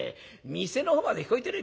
店の方まで聞こえてるよ。